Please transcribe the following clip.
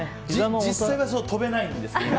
実際は跳べないんですけど。